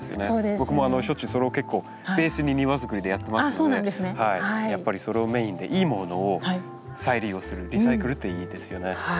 僕もしょっちゅうそれを結構ベースに庭づくりでやってますのでやっぱりそれをメインでいいものを再利用するリサイクルっていいですよね。